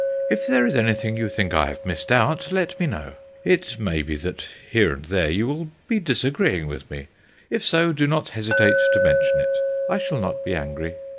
If there is anything you think I have missed out let me know. It may be that here and there you will be disagreeing with me. If so, do not hesitate to mention it, I shall not be angry.